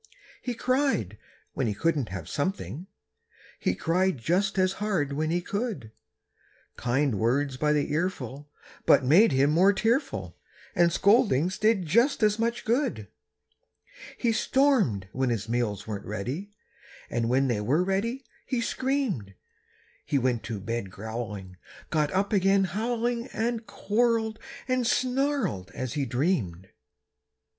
He cried when he couldn't have something; He cried just as hard when he could; Kind words by the earful but made him more tearful, And scoldings did just as much good. He stormed when his meals weren't ready, And when they were ready, he screamed. He went to bed growling, got up again howling And quarreled and snarled as he dreamed.